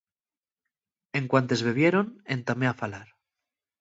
En cuantes bebieron, entamé a falar.